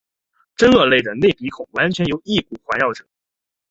真鳄类的内鼻孔完全由翼骨环绕者。